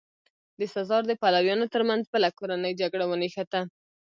د سزار د پلویانو ترمنځ بله کورنۍ جګړه ونښته.